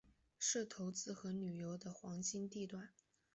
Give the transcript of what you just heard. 是投资和旅游的黄金地段。